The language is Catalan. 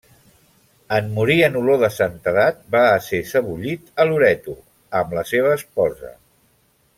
En morir en olor de santedat, va ésser sebollit a Loreto, amb la seva esposa.